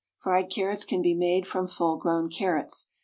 Fried carrots can be made from full grown carrots.